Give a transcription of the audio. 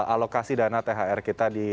alokasi dana thr kita